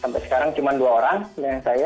sampai sekarang cuma dua orang dengan saya